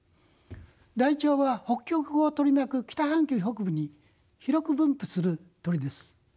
ライチョウは北極を取り巻く北半球北部に広く分布する鳥です。